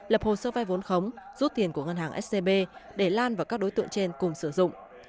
lập hồ sơ vai vốn khống rút tiền của ngân hàng scb để lan và các đối tượng trên cùng sử dụng